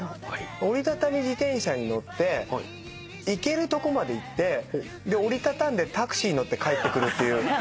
折り畳み自転車に乗って行けるとこまで行って折り畳んでタクシーに乗って帰ってくるっていう。